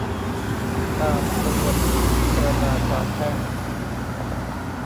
ตาม ประมวลวิธีพิจารณาความแพ่ง